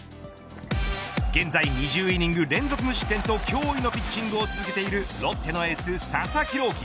現在、２０イニング連続無失点と驚異のピッチングを続けているロッテのエース、佐々木朗希。